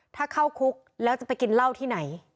ถ้าเข้าคุกแล้วจะไปกินเหล้าที่ไหน